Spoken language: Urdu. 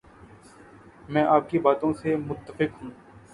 میں آپ کی باتوں سے متفق ہوں